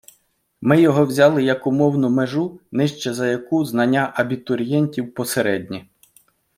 Ми його взяли як умовну межу, нижче за яку знання абітурієнтів посередні.